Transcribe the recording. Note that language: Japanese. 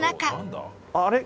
あれ？